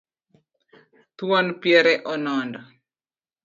Thuon piere onondo